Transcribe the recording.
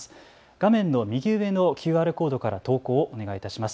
画面右上のＱＲコードから投稿をお願いいたします。